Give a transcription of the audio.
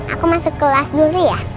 aku masuk kelas dulu ya